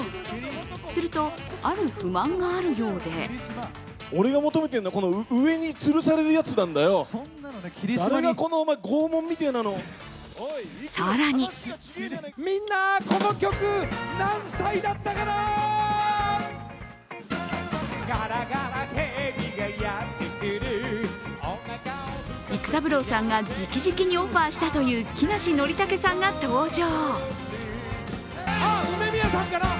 すると、ある不満があるようで更に育三郎さんがじきじきにオファーしたという木梨憲武さんが登場。